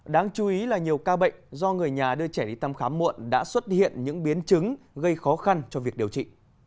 đáng chú ý là nhiều ca bệnh do người nhà đưa trẻ đi tăm khám muộn đã xuất hiện những biến chứng gây khó khăn cho việc điều trị